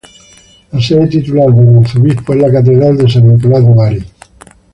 La sede titular del arzobispo es la Catedral de San Nicolas de Bari.